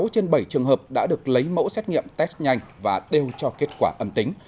sáu trên bảy trường hợp đã được lấy mẫu xét nghiệm test nhanh và đều cho kết quả âm tính